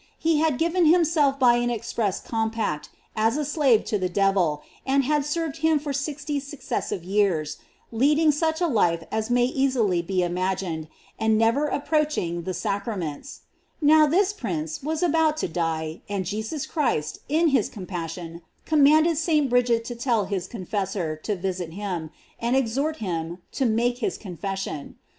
He had given himself by an express compact as a slave to the devil, and had served him for sixty years, leading such a life as may * L. 6, c. 97. GLOEIES OF MARY. 535 aasily be imagined, and never approaching the sacraments. Now, this prince was about to die and Jesus Christ, in his compassion, command ed St. Bridget to tell his confessor to visit him, and exhort him, to make his confession.